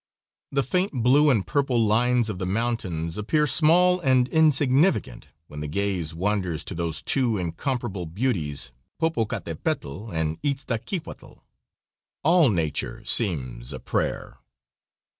The faint blue and purple lines of the mountains appear small and insignificant when the gaze wanders to those two incomparable beauties, Popocatepetl and Ixtaccihnatl. All nature seems a prayer.